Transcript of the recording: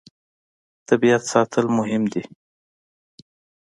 طبیعت ساتل مهم دي.